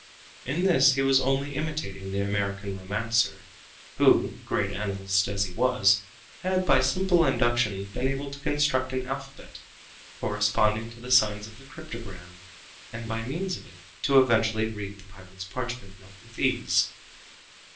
In this he was only imitating the American romancer, who, great analyst as he was, had, by simple induction, been able to construct an alphabet corresponding to the signs of the cryptogram and by means of it to eventually read the pirate's parchment note with ease.